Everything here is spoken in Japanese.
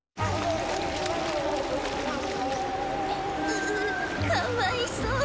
ううかわいそう。